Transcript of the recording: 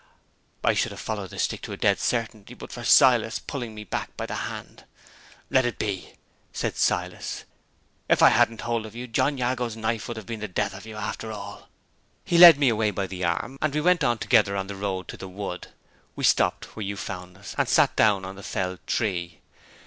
I should have followed the stick to a dead certainty, but for Silas pulling me back by the hand. 'Let it be,' says Silas. 'If I hadn't had hold of you, John Jago's knife would have been the death of you, after all!' He led me away by the arm, and we went on together on the road to the wood. We stopped where you found us, and sat down on the felled tree.